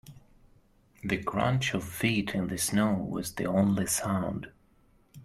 The crunch of feet in the snow was the only sound.